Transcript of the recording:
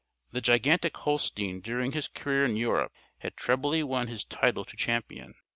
The gigantic Holstein during his career in Europe had trebly won his title to champion.